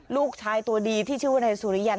ลูกชายตัวดีที่ชื่อแวนคราชาซุริน